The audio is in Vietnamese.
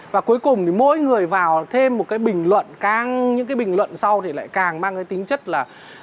và cuối cùng thì mỗi người vào thêm một cái bình luận càng những cái bình luận sau thì lại càng mang cái tính chất là